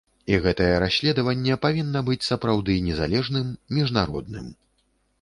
І гэтае расследаванне павінна быць сапраўды незалежным, міжнародным.